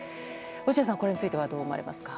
落合さん、これについてはどう思われますか。